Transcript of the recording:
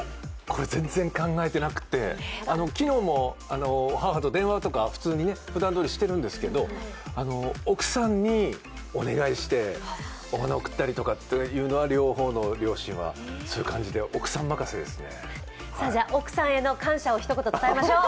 全然、考えてなくて昨日も母と電話とかふだんどおりしてるんですけど奥さんにお願いしてお花贈ったりとかいうのは両方の両親にする感じでそういう感じで、奥さん任せですね奥さんへの感謝を一言、伝えましょう。